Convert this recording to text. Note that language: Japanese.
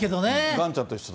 がんちゃんと一緒だ。